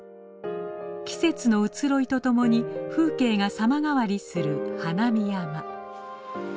季節の移ろいとともに風景が様変わりする花見山。